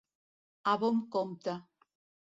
A bon compte.